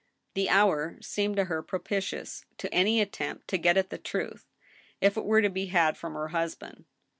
The hour seemed to her propitious to any attempt to get at the truth, if it were to be had from her husband.